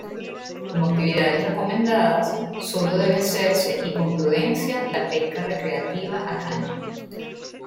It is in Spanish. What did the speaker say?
Como actividades recomendadas, solo debe hacerse, y con prudencia, la pesca recreativa a caña.